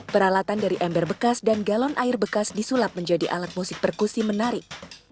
peralatan dari ember bekas dan galon air bekas disulap menjadi alat musik perkusi menarik